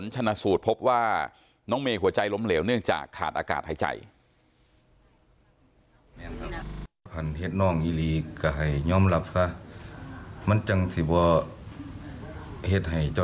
ชนะสูตรพบว่าน้องเมย์หัวใจล้มเหลวเนื่องจากขาดอากาศหายใจ